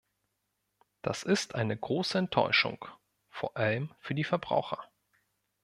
Das ist eine große Enttäuschung, vor allem für die Verbraucher.